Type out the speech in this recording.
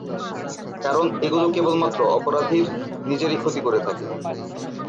কারণ এগুলো কেবলমাত্র অপরাধীর নিজেরই ক্ষতি করে থাকে।